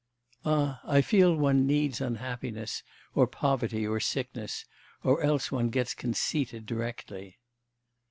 'Ah, I feel one needs unhappiness, or poverty or sickness, or else one gets conceited directly.